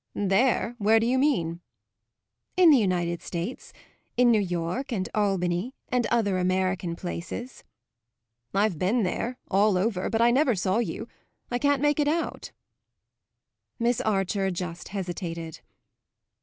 "There? Where do you mean?" "In the United States: in New York and Albany and other American places." "I've been there all over, but I never saw you. I can't make it out." Miss Archer just hesitated.